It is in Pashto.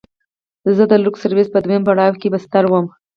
زه د لوکس سرويس په دويم پوړ کښې بستر وم.